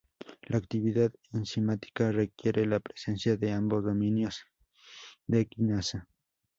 La actividad enzimática requiere la presencia de ambos dominios de quinasa.